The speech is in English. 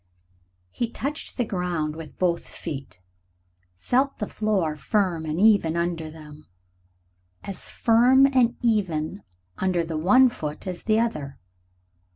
He touched the ground with both feet, felt the floor firm and even under them as firm and even under the one foot as under the other.